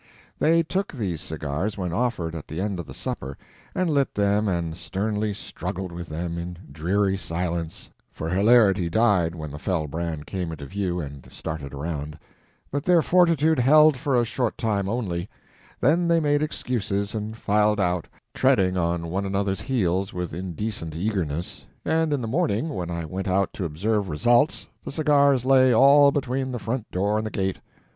They took these cigars when offered at the end of the supper, and lit them and sternly struggled with them—in dreary silence, for hilarity died when the fell brand came into view and started around—but their fortitude held for a short time only; then they made excuses and filed out, treading on one another's heels with indecent eagerness; and in the morning when I went out to observe results the cigars lay all between the front door and the gate.